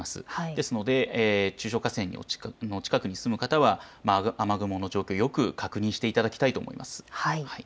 ですので中小河川の近くに住む方は雨雲の状況をよく確認していただきたいと思います。